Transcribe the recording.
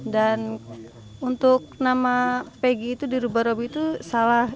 dan untuk nama peggy itu di rumah robby itu salah